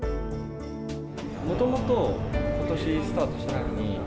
もともと、ことしスタートしたときに。